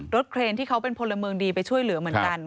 เครนที่เขาเป็นพลเมืองดีไปช่วยเหลือเหมือนกัน